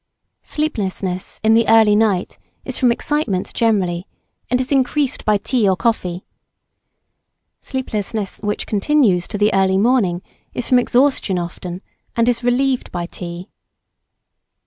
Sleeplessness in the early night is from excitement generally and is increased by tea or coffee; sleeplessness which continues to the early morning is from exhaustion often, and is relieved by tea.